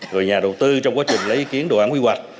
rồi nhà đầu tư trong quá trình lấy ý kiến đồ án quy hoạch